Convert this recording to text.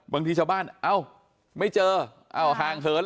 บางทีชาวบ้านเอ้าไม่เจออ้าวห่างเหิน